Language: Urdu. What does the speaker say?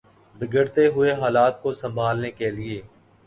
بگڑتے ہوئے حالات کو سنبھالنے کے لیے